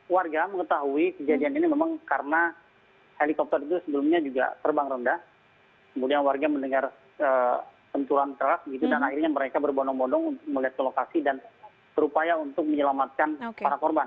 warga mengetahui kejadian ini memang karena helikopter itu sebelumnya juga terbang rendah kemudian warga mendengar benturan keras gitu dan akhirnya mereka berbondong bondong melihat ke lokasi dan berupaya untuk menyelamatkan para korban